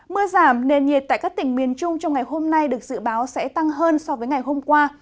mưa giảm nền nhiệt tại các tỉnh miền trung trong ngày hôm nay được dự báo sẽ tăng hơn so với ngày hôm qua